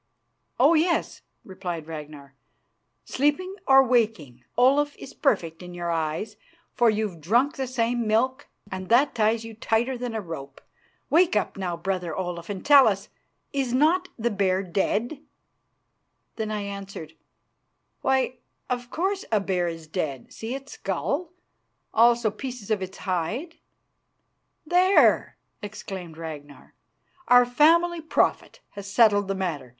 "Oh yes," replied Ragnar. "Sleeping or waking, Olaf is perfect in your eyes, for you've drunk the same milk, and that ties you tighter than a rope. Wake up, now, brother Olaf, and tell us: Is not the bear dead?" Then I answered, "Why, of course, a bear is dead; see its skull, also pieces of its hide?" "There!" exclaimed Ragnar. "Our family prophet has settled the matter.